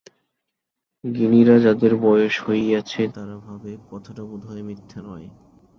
গিনীরা, যাদের বয়স হইয়াছে, তারা ভাবে কথাটা বোধ হয় মিথ্যে নয়।